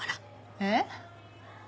えっ？